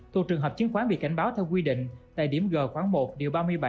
thuộc trường hợp chứng khoán bị cảnh báo theo quy định tại điểm g khoảng một điều ba mươi bảy